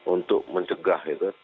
untuk mencegah itu